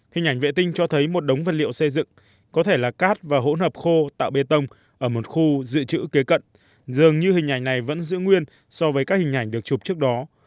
hình ảnh vệ tinh cho thấy một đống vật liệu xây dựng có thể là cát và hỗn hợp khô tạo bê tông ở một khu dự trữ kế cận dường như hình ảnh này vẫn giữ nguyên so với các hình ảnh được chụp trước đó